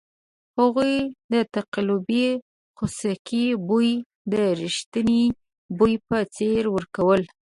هغوی د تقلبي خوسکي بوی د ریښتني بوی په څېر ورکول.